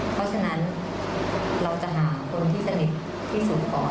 เพราะฉะนั้นเราจะหาคนที่สนิทที่สุดก่อน